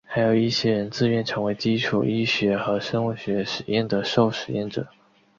还有一些人自愿成为基础医学和生物学实验的受实验者。